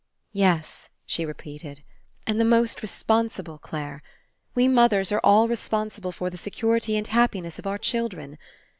"Yes," she repeated, "and the most responsible, Clare. We mothers are all responsible for the security and happi ness of our children.